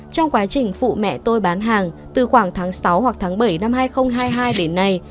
trong quá trình phụ mẹ tôi bán hàng từ khoảng tháng sáu hoặc tháng bảy năm hai nghìn hai mươi hai đến nay